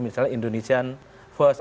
misalnya indonesian first